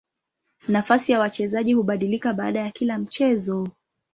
Nafasi ya wachezaji hubadilika baada ya kila mchezo.